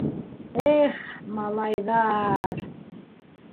Эх, малайҙар!